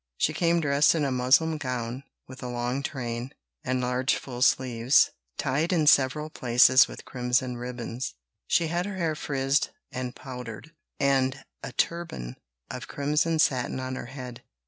She came dressed in a muslin gown, with a long train, and large full sleeves, tied in several places with crimson ribbons; she had her hair frizzed and powdered, and a turban of crimson satin on her head.